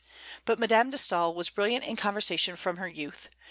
But Madame de Staël was brilliant in conversation from her youth.